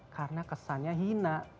karena kesannya hina